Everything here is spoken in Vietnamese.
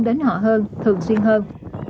đến họ hơn thường xuyên hơn